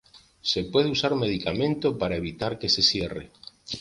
Se puede usar un medicamento para evitar que se cierre.